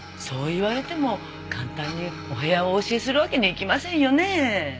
そう言われても簡単にお部屋をお教えするわけにはいきませんよねえ。